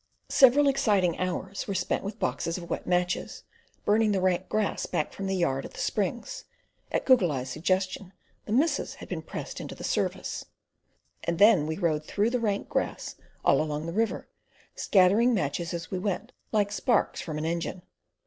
Several exciting hours were spent with boxes of wax matches, burning the rank grass back from the yard at the springs (at Goggle Eye's suggestion the missus had been pressed into the service); and then we rode through the rank grass along the river, scattering matches as we went like sparks from an engine.